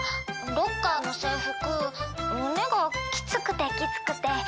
ロッカーの制服胸がきつくてきつくて。